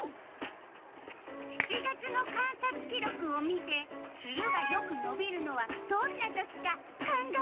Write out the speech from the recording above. ７月の観察記録を見てツルがよくのびるのはどんな時か考えて！